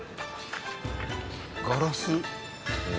ガラス。